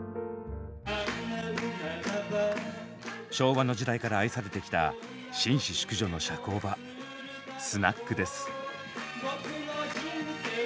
昭和の時代から愛されてきた紳士淑女の社交場スナックです。